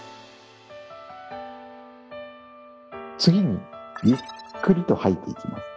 次にゆっくりと吐いていきます。